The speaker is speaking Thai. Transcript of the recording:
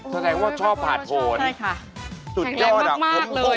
สาดแรกว่าชอบผ่าโทนสุดยอดแข็งแรงมากเลย